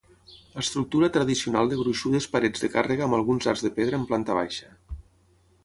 Estructura tradicional de gruixudes parets de càrrega amb alguns arcs de pedra en planta baixa.